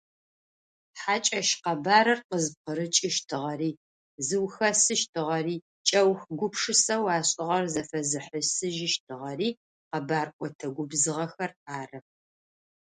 Хьакӏэщ къэбарыр къызпкъырыкӏыщтыгъэри зыухэсыщтыгъэри, кӏэух гупшысэу ашӏыгъэр зэфэзыхьысыжьыщтыгъэри къэбарӏотэ губзыгъэхэр ары.